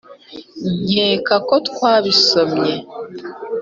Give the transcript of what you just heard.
nkeka ko twabisomye